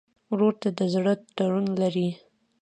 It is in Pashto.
ورور ته د زړه تړون لرې.